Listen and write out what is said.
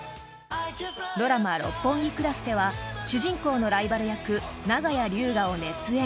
［ドラマ『六本木クラス』では主人公のライバル役長屋龍河を熱演］